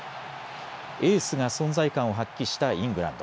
エースが存在感を発揮したイングランド。